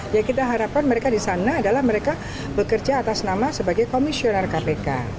ya kita harapkan mereka di sana adalah mereka bekerja atas nama sebagai komisioner kpk